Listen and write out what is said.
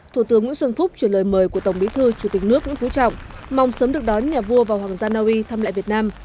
thủ tướng nguyễn xuân phúc chuyển lời mời của tổng bí thư chủ tịch nước nguyễn phú trọng mong sớm được đón nhà vua và hoàng gia naui thăm lại việt nam